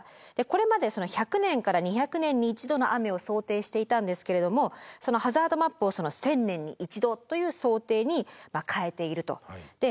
これまで１００年から２００年に１度の雨を想定していたんですけれどもそのハザードマップを１０００年に１度という想定に変えていると。